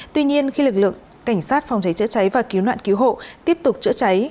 tuy nhiên khi lực lượng cảnh sát phòng cháy chữa cháy và cứu nạn cứu hộ tiếp tục chữa cháy